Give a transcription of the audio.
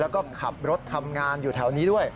แล้วก็ขับรถทำงานอยู่แถวนี้ด้วย